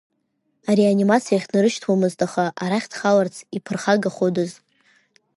Ареанимациахь днарышьҭуамызт, аха арахь дхаларц иԥырхагаходаз.